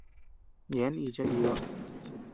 Yeaben icha iba.